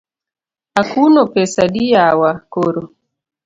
Akuno pesa adi yawa koro?